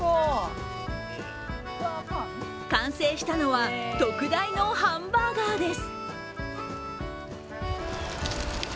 完成したのは、特大のハンバーガーです。